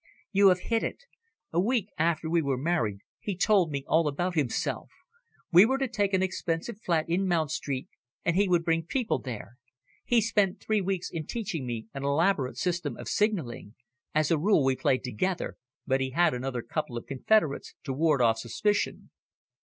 "You have hit it. A week after we were married he told me all about himself. We were to take an expensive flat in Mount Street, and he would bring people there. He spent three weeks in teaching me an elaborate system of signalling. As a rule, we played together, but he had another couple of confederates to ward off suspicion."